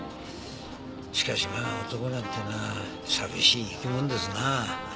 しかしまあ男なんてのは寂しい生き物ですなあ。